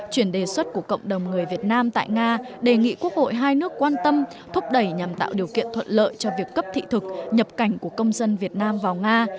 chuyển đề xuất của cộng đồng người việt nam tại nga đề nghị quốc hội hai nước quan tâm thúc đẩy nhằm tạo điều kiện thuận lợi cho việc cấp thị thực nhập cảnh của công dân việt nam vào nga